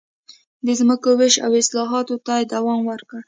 د ځمکو وېش او اصلاحاتو ته دوام ورکړي.